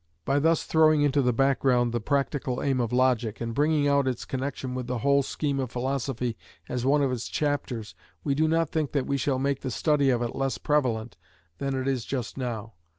By thus throwing into the background the practical aim of logic, and bringing out its connection with the whole scheme of philosophy as one of its chapters, we do not think that we shall make the study of it less prevalent than it is just now.